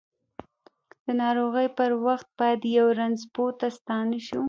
د ناروغۍ پر وخت باید یؤ رنځ پوه ته ستانه شوو!